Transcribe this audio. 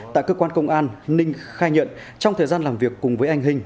tại cơ quan công an ninh khai nhận trong thời gian làm việc cùng với anh hình